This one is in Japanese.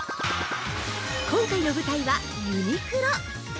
今回の舞台は「ユニクロ」！